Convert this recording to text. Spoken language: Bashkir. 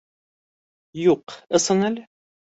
Юҡ, ысын әле.